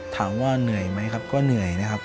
ถามว่าเหนื่อยไหมครับก็เหนื่อยนะครับ